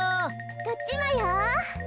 こっちもよ。